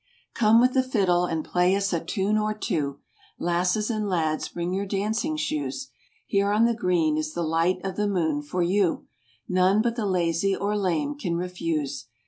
Come with the fiddle and play us a tune or two, Lasses and lads bring your dancing shoes : Here on the green is the light of the moon for you, None but the lazy or lame can refuse.